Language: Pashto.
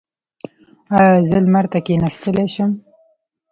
ایا زه لمر ته کیناستلی شم؟